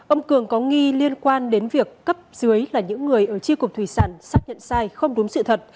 ông cường có nghi liên quan đến việc cấp dưới là những người ở tri cục thủy sản xác nhận sai không đúng sự thật